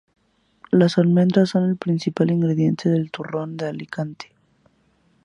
Las almendras son el principal ingrediente del turrón de Alicante.